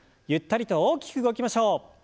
ゆったりと大きく動きましょう。